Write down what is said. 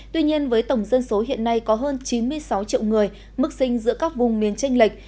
tuy nhiên với tổng dân số hiện nay có hơn chín mươi sáu triệu người mức sinh giữa các vùng miền tranh lệch